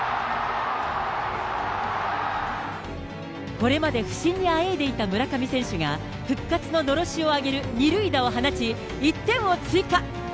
これまで不振にあえいでいた村上選手が、復活ののろしを上げる２塁打を放ち、１点を追加。